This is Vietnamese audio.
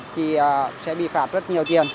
thì sẽ bị phạt rất nhiều tiền